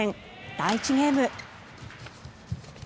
第１ゲーム。